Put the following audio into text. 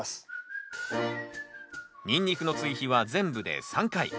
ニンニクの追肥は全部で３回。